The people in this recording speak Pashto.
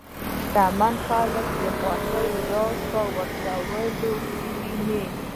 شتمن خلک د خوښۍ راز په ورکولو کې ویني.